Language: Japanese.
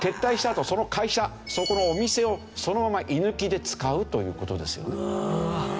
あとその会社そこのお店をそのまま居抜きで使うという事ですよ。